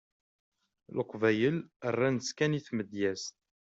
Leqbayel rran-ttkan i tmedyezt.